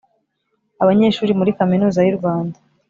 Abanyeshuri muri kaminuza y u rwanda